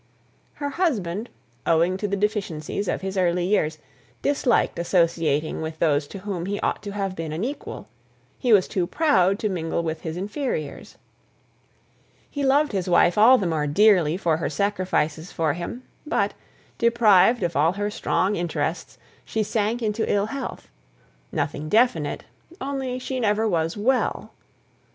Her husband, owing to the deficiencies of his early years, disliked associating with those to whom he ought to have been an equal; he was too proud to mingle with his inferiors. He loved his wife all the more dearly for her sacrifices for him; but, deprived of all her strong interests, she sank into ill health; nothing definite; only she never was well.